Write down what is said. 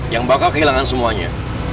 yang bakal kehilangan semuanya itu raja